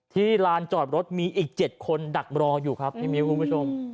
ลานจอดรถมีอีก๗คนดักรออยู่ครับพี่มิ้วคุณผู้ชม